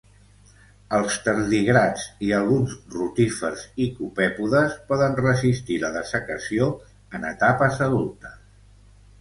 Els tardígrads, i alguns rotífers i copèpodes poden resistir la dessecació en etapes adultes.